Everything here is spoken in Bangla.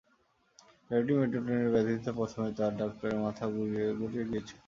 লেডি মেডেলিনের ব্যাধিটা প্রথমে তাঁর ডাক্তারের মাথা গুলিয়ে দিয়েছিল।